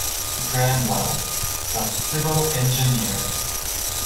Bramwell, a civil engineer.